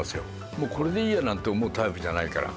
「もうこれでいいや」なんて思うタイプじゃないから。